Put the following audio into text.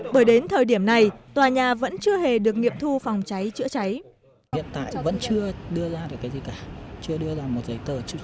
bởi đến thời điểm này tòa nhà vẫn chưa hề được nghiệm thu phòng cháy chữa cháy